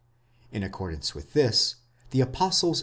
In accordance with this, the apostles.